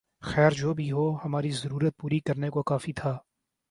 خیر جو بھی ہو ہماری ضرورت پوری کرنے کو کافی تھا